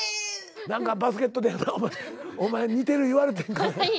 バスケットでお前似てる言われてんから。